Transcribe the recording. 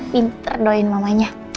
pinter doain mamanya